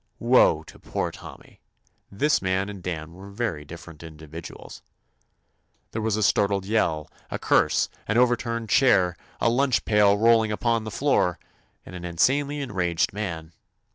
Woe to poor Tommy I This man and Dan were very differ ent individuals. There was a startled yell, a curse, an over turned chair, a lunch pail roll ing upon the floor, and an insanely en raged man.